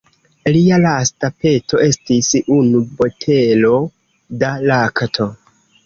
Lia lasta peto estis unu botelo da lakto.